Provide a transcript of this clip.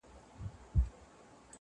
کیسې پاته د امیر سوې د ظلمونو.!